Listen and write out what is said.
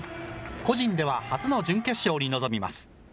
個人では初の準決勝に臨みます。